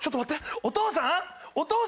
お父さん！